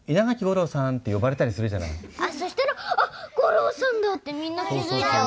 そしたら吾郎さんだってみんな気付いちゃう。